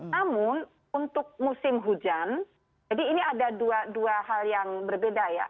namun untuk musim hujan jadi ini ada dua hal yang berbeda ya